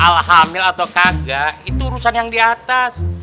alhamil atau kagak itu urusan yang diatas